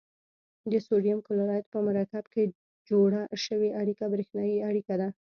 د سوډیم کلورایډ په مرکب کې جوړه شوې اړیکه بریښنايي اړیکه ده.